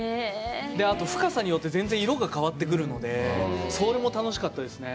あと深さによって全然色が変わってくるので、それも楽しかったですね。